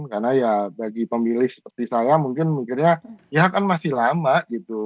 karena ya bagi pemilih seperti saya mungkin mikirnya ya kan masih lama gitu